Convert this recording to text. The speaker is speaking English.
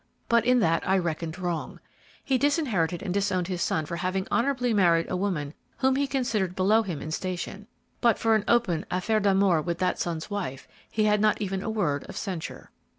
But in that I reckoned wrong. He disinherited and disowned his son for having honorably married a woman whom he considered below him in station, but for an open affaire d'amour with that son's wife, he had not even a word of censure.